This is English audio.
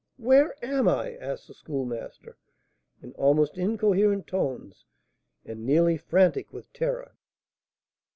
where am I?" asked the Schoolmaster, in almost incoherent tones, and nearly frantic with terror.